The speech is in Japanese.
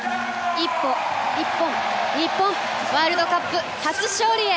１歩、１本、日本ワールドカップ初勝利へ！